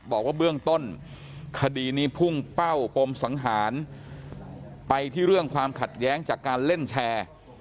บอกว่าเบื้องต้นคดีนี้พุ่งเป้าปมสังหารไปที่เรื่องความขัดแย้งจากการเล่นแชร์